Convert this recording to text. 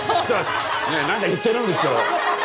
何か言ってるんですけど。